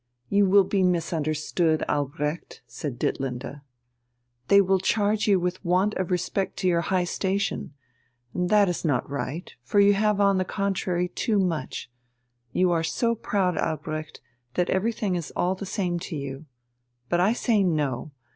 "You will be misunderstood, Albrecht!" said Ditlinde. "They will charge you with want of respect to your high station, and that is not right, for you have on the contrary too much; you are so proud, Albrecht, that everything is all the same to you. But I say No.